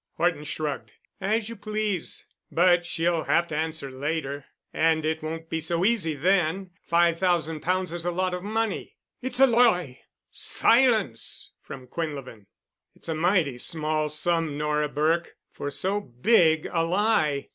Horton shrugged. "As you please. But she'll have to answer later, and it won't be so easy then. Five thousand pounds is a lot of money——" "It's a lie——" "Silence!" from Quinlevin. "It's a mighty small sum, Nora Burke, for so big a lie."